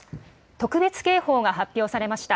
特別警報が発表されました。